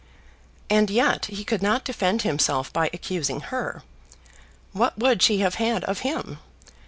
And yet he could not defend himself by accusing her. What would she have had of him?